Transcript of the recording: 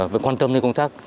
và quan tâm đến công tác